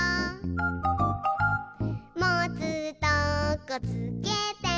「もつとこつけて」